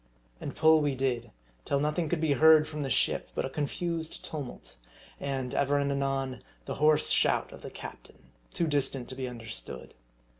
And pull we did, till nothing could be heard from the ship bu1> a confused tumult ; and, ever and anon, the hoarse shout of the captain, too distant to be understood.